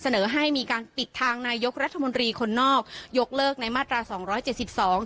ให้มีการปิดทางนายกรัฐมนตรีคนนอกยกเลิกในมาตราสองร้อยเจ็ดสิบสอง